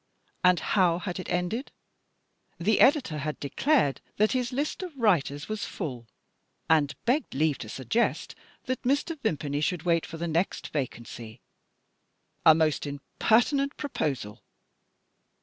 And how had it ended? The editor had declared that his list of writers was full, and begged leave to suggest that Mr. Vimpany should wait for the next vacancy. A most impertinent proposal!